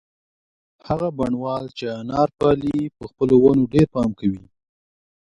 هغه بڼوال چې انار پالي په خپلو ونو ډېر پام کوي.